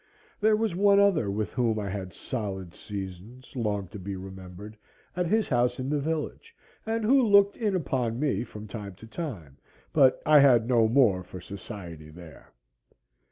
There was one other with whom I had "solid seasons," long to be remembered, at his house in the village, and who looked in upon me from time to time; but I had no more for society there.